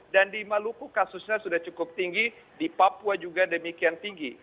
dan di maluku kasusnya sudah cukup tinggi di papua juga demikian tinggi